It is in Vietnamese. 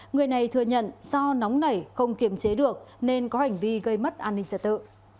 người này thừa nhận do nóng nảy không kiểm chế được nên có hành vi gây mất an ninh trật tự